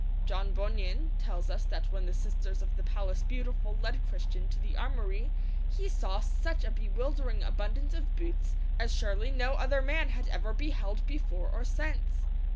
John Bunyan tells us that when the sisters of the Palace Beautiful led Christian to the armoury he saw such a bewildering abundance of boots as surely no other man ever beheld before or since!